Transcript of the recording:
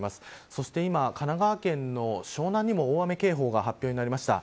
そして今、神奈川県の湘南にも大雨警報が発表になりました。